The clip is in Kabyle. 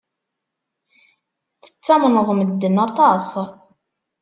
Tettamneḍ medden aṭas.